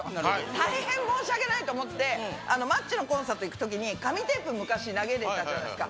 大変申し訳ないと思って、マッチのコンサート行くときに紙テープ、昔投げれたじゃないですか。